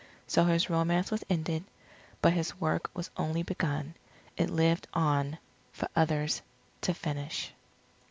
So his romance was ended. But his work was only begun; it lived on for others to finish.